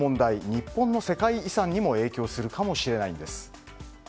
日本の世界遺産にも影響するかもしれないんです。